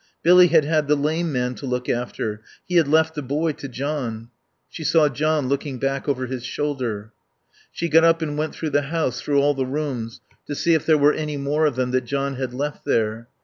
Billy had had the lame man to look after. He had left the boy to John. She saw John looking back over his shoulder. She got up and went through the house, through all the rooms, to see if there were any more of them that John had left there.